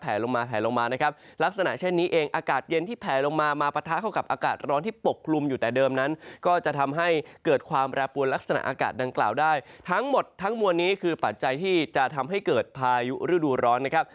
ลงมาแผลลงมานะครับลักษณะเช่นนี้เองอากาศเย็นที่แผลลงมามาปะทะเข้ากับอากาศร้อนที่ปกคลุมอยู่แต่เดิมนั้นก็จะทำให้เกิดความแปรปวนลักษณะอากาศดังกล่าวได้ทั้งหมดทั้งมวลนี้คือปัจจัยที่จะทำให้เกิดพายุฤดูร้อนนะครับ